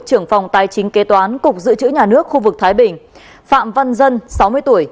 trưởng phòng tài chính kế toán cục dự trữ nhà nước khu vực thái bình phạm văn dân sáu mươi tuổi